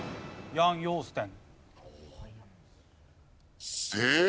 ヤン・ヨーステン。